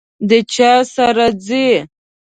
د چا سره ځئ؟